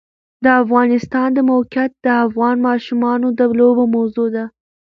د افغانستان د موقعیت د افغان ماشومانو د لوبو موضوع ده.